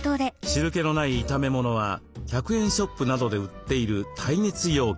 汁けのない炒め物は１００円ショップなどで売っている耐熱容器へ。